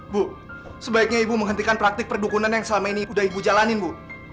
bu sebaiknya ibu menghentikan praktik perdukunan yang selama ini udah ibu jalanin bu